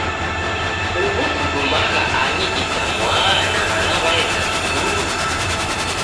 Huw'u kudumagha ani itamwaa na w'ana w'aenda skulu?